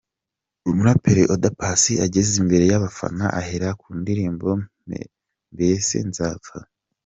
Umuraperi Oda Paccy ageze imbere y’abafana ahera ku ndirimbo ’Mbese nzapfa’.